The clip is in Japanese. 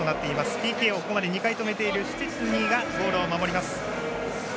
ＰＫをここまで２回止めているシュチェスニーがゴールを守ります。